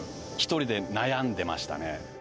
１人で悩んでましたね。